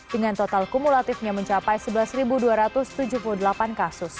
dengan total kumulatifnya mencapai sebelas dua ratus tujuh puluh delapan kasus